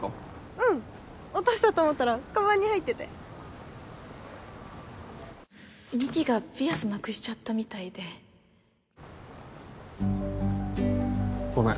うん落としたと思ったらカバンに入ってて美紀がピアスなくしちゃったみたいでごめん